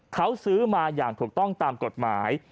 เขาซื้อมาอย่างถูกต้องตามกฎหมาย